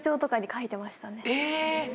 え！